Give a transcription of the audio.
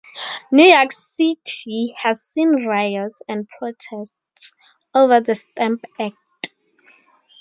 New York City had seen riots and protests over the Stamp Act.